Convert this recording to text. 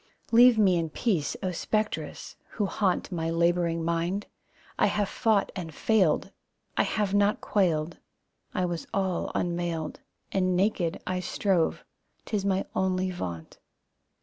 Leave me in peace, O Spectres, who haunt My labouring mind, I have fought and failed. I have not quailed, I was all unmailed And naked I strove, 'tis my only vaunt.